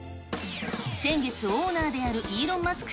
先月オーナーであるイーロン・マスク